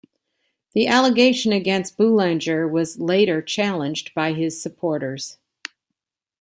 The allegation against Boulanger was later challenged by his supporters.